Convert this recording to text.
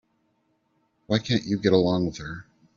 Why can't you get along with her?